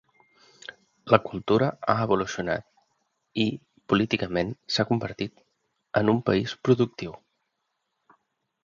La cultura ha evolucionat i políticament s'ha convertit en un país productiu.